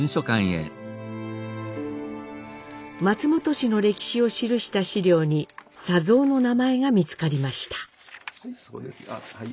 松本市の歴史を記した資料に佐三の名前が見つかりました。